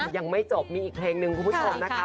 ยังไม่จบมีอีกเพลงหนึ่งคุณผู้ชมนะคะ